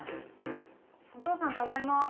お父さんただいま。